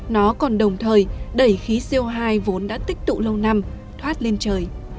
nó còn đồng thời đẩy khí co hai vốn đã tích tụ lâu năm thoát lên trời